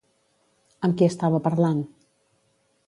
Amb qui estava parlant?